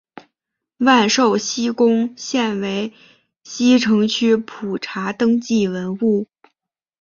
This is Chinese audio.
万寿西宫现为西城区普查登记文物。